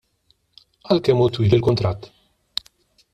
Għal kemm hu twil il-kuntratt?